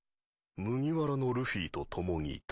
麦わらのルフィと共にいた。